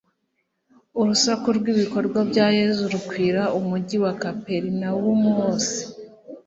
Urusaku rw'ibikorwa bya Yesu rukwira umujyi wa Kaperinawumu wose.